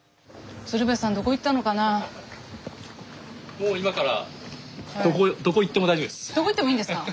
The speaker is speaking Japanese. もう今からどこ行ってもいいんですか？